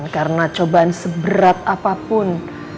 karena cobaan seberat apapun